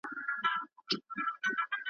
چي دي لاس تش سو تنها سوې نو یوازي خوره غمونه ,